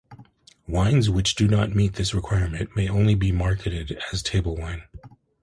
Wines which do not meet this requirement may only be marketed as table wine.